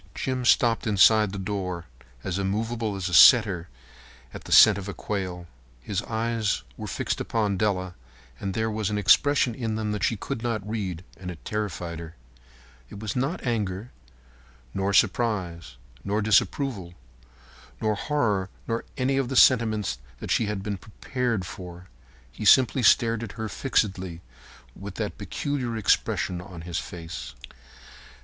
Jim stopped inside the door, as immovable as a setter at the scent of quail. His eyes were fixed upon Della, and there was an expression in them that she could not read, and it terrified her. It was not anger, nor surprise, nor disapproval, nor horror, nor any of the sentiments that she had been prepared for. He simply stared at her fixedly with that peculiar expression on his face.